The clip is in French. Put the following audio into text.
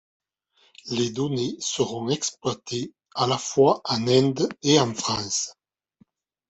Les données seront exploitées à la fois en Inde et en France.